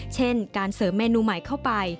เช่นการเสริมเมนูใหม่เข้าไป